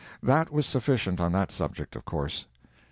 That was sufficient on that subject, of course.